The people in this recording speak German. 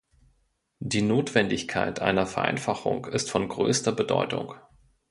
Die Notwendigkeit einer Vereinfachung ist von größter Bedeutung.